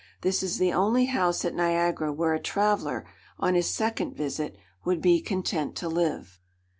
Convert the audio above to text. This is the only house at Niagara where a traveller, on his second visit, would be content to live.